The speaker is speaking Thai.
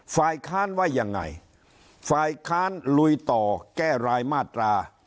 ฝ่ายค้านว่ายังไงฝ่ายค้านลุยต่อแก้รายมาตรา